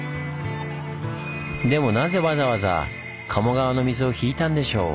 でもなぜわざわざ賀茂川の水を引いたんでしょう？